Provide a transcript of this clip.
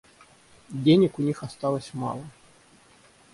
Денег у них осталось мало.